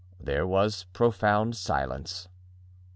There was profound silence.